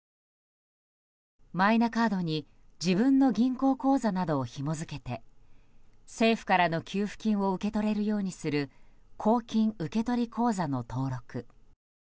マイナカードに自分の銀行口座などをひも付けて政府からの給付金を受け取れるようにする公金受取口座の登録。